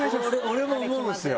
俺も思うんですよ。